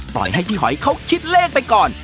ปล่อยให้พี่หอยเขาคิดเลขไปก่อน